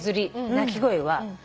鳴き声は。